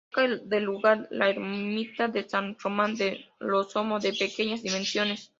Destaca del lugar la ermita de San Román de Moroso, de pequeñas dimensiones.